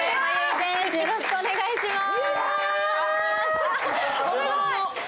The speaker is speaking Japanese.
よろしくお願いします。